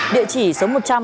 địa chỉ số một trăm linh